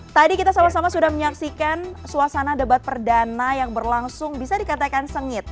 tadi kita sama sama sudah menyaksikan suasana debat perdana yang berlangsung bisa dikatakan sengit